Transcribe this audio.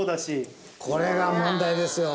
これが問題ですよ。